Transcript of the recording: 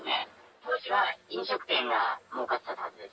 当時は飲食店がもうかってたはずです。